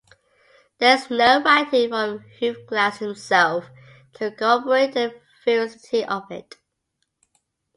There is no writing from Hugh Glass himself to corroborate the veracity of it.